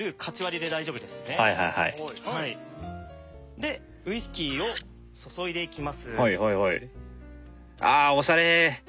でウイスキーを注いでいきます。